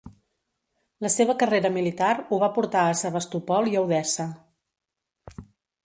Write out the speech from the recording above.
La seva carrera militar ho va portar a Sebastopol i a Odessa.